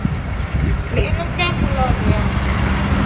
Linu ngakuloleya.